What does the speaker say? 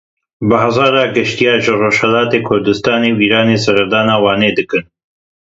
Bi hezaran geştyar ji Rojhilatê Kurdistanê û Îranê serdana Wanê dikin.